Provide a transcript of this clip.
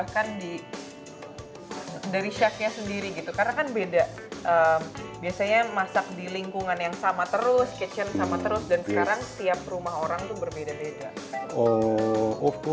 kaisar akihito saat berkunjung ke jakarta